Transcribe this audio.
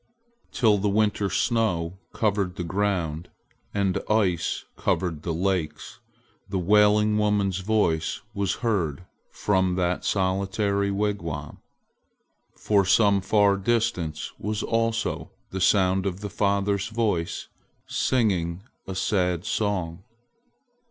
Till the winter snow covered the ground and ice covered the lakes, the wailing woman's voice was heard from that solitary wigwam. From some far distance was also the sound of the father's voice singing a sad song.